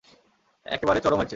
একেবারে চরম হয়েছে!